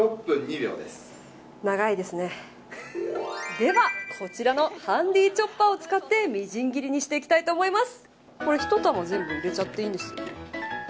では、こちらのハンディーチョッパーを使ってみじん切りにしていきたいと思います。